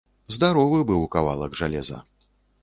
Здаровы быў кавалак жалеза.